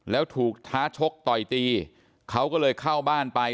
แล้วถูกท้าชกต่อยตีเขาก็เลยเข้าบ้านไป